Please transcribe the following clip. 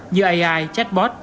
như ai chatbot robot